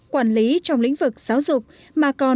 quản lý trong lĩnh vực giáo dục